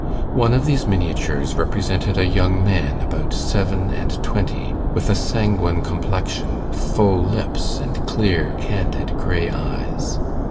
One of these miniatures represented a young man about seven and twenty, with a sanguine complexion, full lips, and clear candid grey eyes.